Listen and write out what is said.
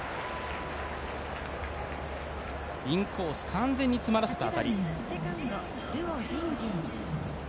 インコース、完全に詰まらせた当たり。